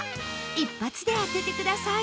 一発で当ててください